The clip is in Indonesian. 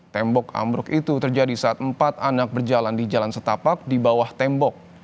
tembok ambruk itu terjadi saat empat anak berjalan di jalan setapak di bawah tembok